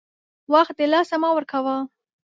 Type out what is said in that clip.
وخت دلاسه مه ورکوه !